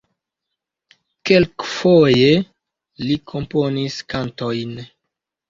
Kelkfoje li komponis kantojn.